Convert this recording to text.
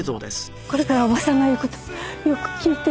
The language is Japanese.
「これからおばさんが言う事よく聞いて」